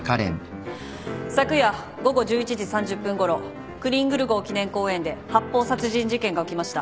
昨夜午後１１時３０分ごろクリングル号記念公園で発砲殺人事件が起きました。